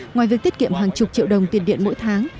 ngoài việc tiết kiệm hàng chục triệu đồng tiền điện mỗi tháng